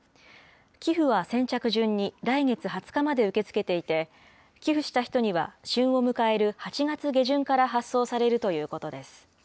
寄付は先着順に来月２０日まで受け付けていて、寄付した人には旬を迎える８月下旬から発送されるということです。